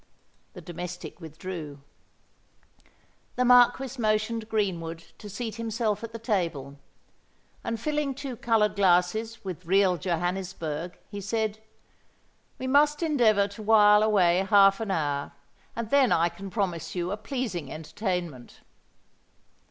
The domestic withdrew. The Marquis motioned Greenwood to seat himself at the table; and, filling two coloured glasses with real Johannisberg, he said, "We must endeavour to while away half an hour; and then I can promise you a pleasing entertainment."